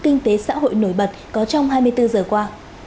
kinh tế xã hội nổi bật có trong hai mươi bốn giờ qua